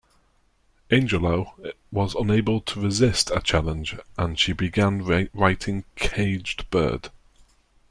Angelou was unable to resist a challenge, and she began writing Caged Bird.